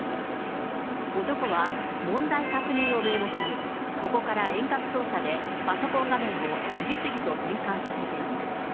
男は、問題確認を名目に、ここから遠隔操作でパソコン画面を次々と転換させていく。